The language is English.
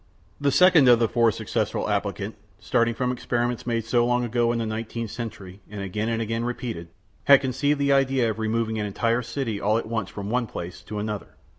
The second of the four successful applicants, starting from experiments made so long ago as the nineteenth century and again and again repeated, had conceived the idea of removing an entire city all at once from one place to another.